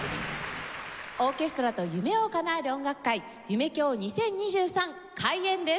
「オーケストラと夢をかなえる音楽会夢響２０２３」開演です。